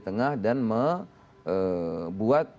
tengah dan membuat